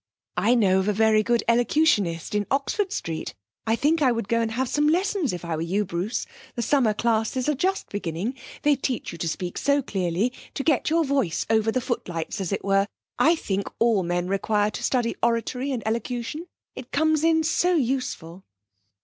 'I know of a very good elocutionist in Oxford Street. I think I would go and have some lessons, if I were you, Bruce; the summer classes are just beginning. They teach you to speak so clearly, to get your voice over the footlights, as it were. I think all men require to study oratory and elocution. It comes in so useful!'